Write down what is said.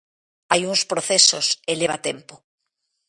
Hai uns procesos, e leva tempo.